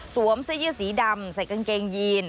สวมสี่สีดำใส่กางเกงยีน